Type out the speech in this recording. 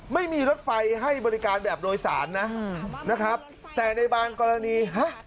ไม่มีรถไฟให้บริการแบบโดยสารนะนะครับแต่ในบางกรณีฮะ